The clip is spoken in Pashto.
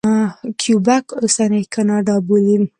کیوبک اوسنۍ کاناډا بولي.